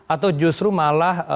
atau justru malah